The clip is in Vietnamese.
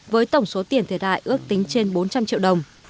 với tổng số tiền thời đại ước tính trên bốn trăm linh triệu đồng